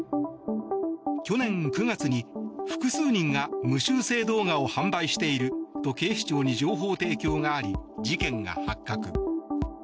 去年９月に、複数人が無修正動画を販売していると警視庁に情報提供があり事件が発覚。